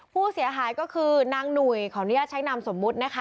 ผู้เสียหายก็คือนางหนุยของนิยชัยนำสมมุตินะคะ